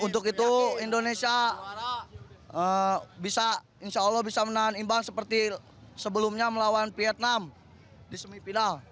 untuk itu indonesia bisa insya allah bisa menahan imbang seperti sebelumnya melawan vietnam di semifinal